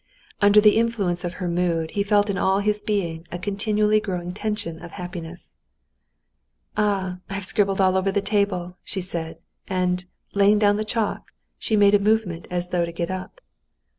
Under the influence of her mood he felt in all his being a continually growing tension of happiness. "Ah! I've scribbled all over the table!" she said, and, laying down the chalk, she made a movement as though to get up.